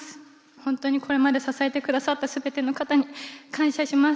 本当にこれまで支えてくださったすべての方に感謝します。